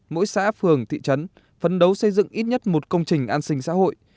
mỗi xã phường thị trấn phấn đấu xây dựng ít nhất một công trình an sinh xã hội